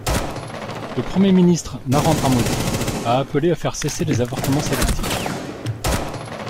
Le premier ministe Narendra Modi a appelé à faire cesser les avortements sélectifs.